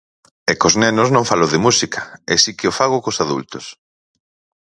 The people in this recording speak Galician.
E cos nenos non falo de música, e si que o fago cos adultos.